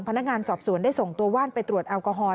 พนักงานสอบสวนได้ส่งตัวว่านไปตรวจแอลกอฮอล